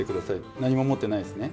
何も持ってないですね。